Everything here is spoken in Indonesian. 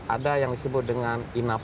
ada yang disebut dengan inap